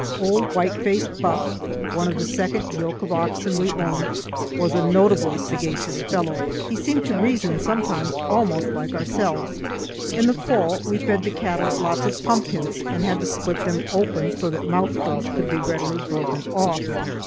Old white faced Buck, one of the second yoke of oxen we owned, was a notably sagacious fellow. He seemed to reason sometimes almost like ourselves. In the fall we fed the cattle lots of pumpkins and had to split them open so that mouthfuls could be readily broken off.